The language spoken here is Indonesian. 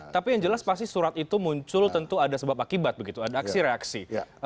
tapi yang jelas pasti surat itu muncul tentu ada sebab akibat begitu ada aksi reaksi